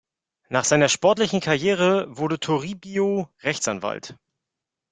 Nach seiner sportlichen Karriere wurde Toribio Rechtsanwalt.